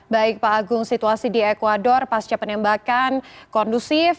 baik pak agung situasi di ecuador pasca penembakan kondusif